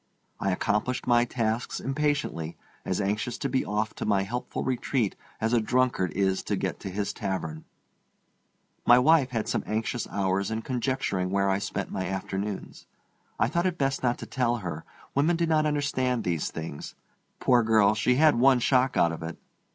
I accomplished my tasks impatiently, as anxious to be off to my helpful retreat as a drunkard is to get to his tavern. My wife had some anxious hours in conjecturing where I spent my afternoons. I thought it best not to tell her; women do not understand these things. Poor girl!—she had one shock out of it.